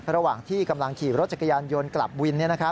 ระหว่างที่กำลังขี่รถจักรยานยนต์กลับวิน